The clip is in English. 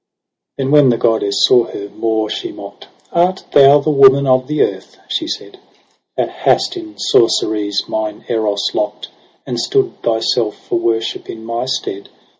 z6 Then when the goddess saw her, more she mockt, ' Art thou the woman of the earth,' she said, ' That hast in sorceries mine Eros lockt. And stood thyself for worship in my stead